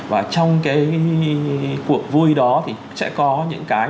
và trong cái cuộc vui đó thì sẽ có những cái